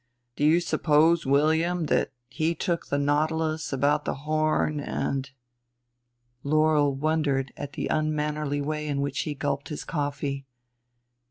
Do you suppose, William, that he took the Nautilus about the Horn and ?" Laurel wondered at the unmannerly way in which he gulped his coffee.